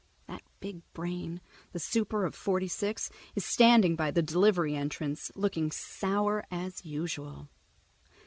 That big brain, the super of Forty six, is standing by the delivery entrance, looking sour as usual.